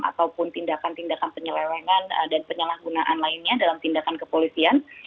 ataupun tindakan tindakan penyelewengan dan penyalahgunaan lainnya dalam tindakan kepolisian